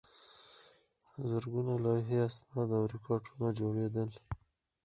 زرګونه لوحې، اسناد او ریکارډونه جوړېدل.